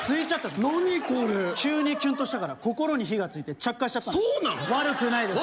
お前何これ急にキュンとしたから心に火がついて着火しちゃった悪くないでしょ？